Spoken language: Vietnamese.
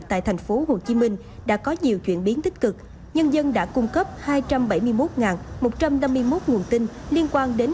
tại tp hcm đã có nhiều chuyển biến tích cực nhân dân đã cung cấp hai trăm bảy mươi một một trăm năm mươi một nguồn tin liên quan đến